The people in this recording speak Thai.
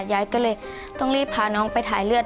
ยายก็เลยต้องรีบพาน้องไปถ่ายเลือด